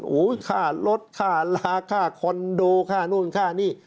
โอ้โหค่ารถค่าลาค่าคอนโดค่านู่นค่านี่